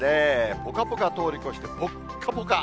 ぽかぽか通り越して、ぽっかぽか。